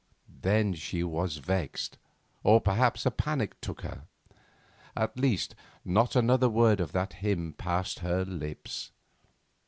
Then she was vexed, or perhaps a panic took her; at least, not another word of that hymn passed her lips.